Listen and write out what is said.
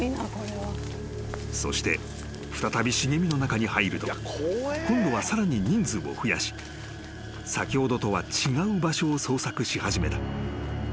［そして再び茂みの中に入ると今度はさらに人数を増やし先ほどとは違う場所を捜索し始めた］